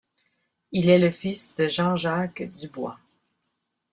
Il est le fils de Jean-Jacques Duboys.